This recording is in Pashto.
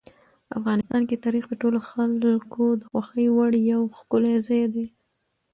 افغانستان کې تاریخ د ټولو خلکو د خوښې وړ یو ښکلی ځای دی.